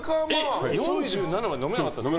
４７まで飲めなかったんですか？